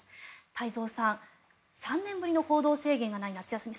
太蔵さん、３年ぶりの行動制限がない夏休み。